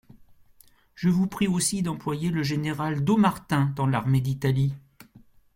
Je vous prie aussi d'employer le général Dommartin dans l'armée d'Italie.